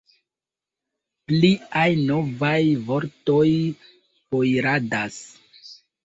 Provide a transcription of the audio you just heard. Pliaj novaj vortoj poiradas!